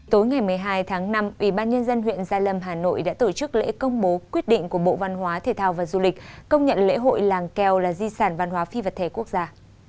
tối ngày một mươi hai tháng năm ubnd huyện gia lâm hà nội đã tổ chức lễ công bố quyết định của bộ văn hóa thể thao và du lịch công nhận lễ hội làng keo là di sản văn hóa phi vật thể quốc gia